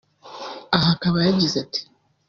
Aha akaba yagize ati